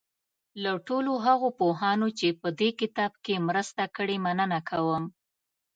له ټولو هغو پوهانو چې په دې کتاب کې مرسته کړې مننه کوم.